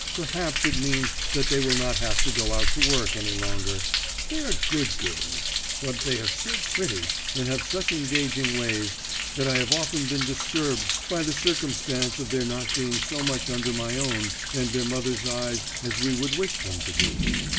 Perhaps it means that they will not have to go out to work any longer. They are good girls, but they are so pretty, and have such engaging ways, that I have often been disturbed by the circumstance of their not being so much under my own and their mother's eyes as we would wish them to be.